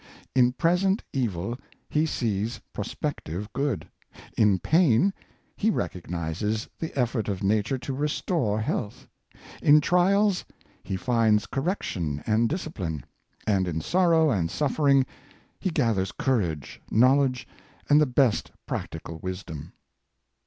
In present evil, he sees prospective good; in pain, he recognizes the effort of nature to restore health; in trials, he finds correction and discipline; and in sorrow and suf fering, he gathers courage, knowledge, and the best practical wisdom.